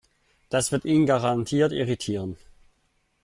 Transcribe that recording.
Das wird ihn garantiert irritieren.